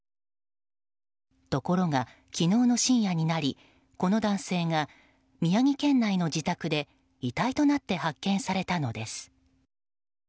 ところが、昨日の深夜になりこの男性が宮城県内の自宅で遺体となって発見されたのです。